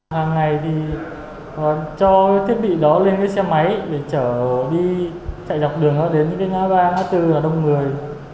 hàng ngày thì cho thiết bị đó lên cái xe máy để chở đi chạy dọc đường đến những cái ngã ba ngã tư đông người